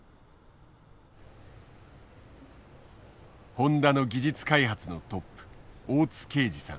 ホンダの技術開発のトップ大津啓司さん。